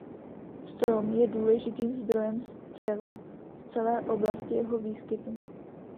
Strom je důležitým zdrojem dřeva v celé oblasti jeho výskytu.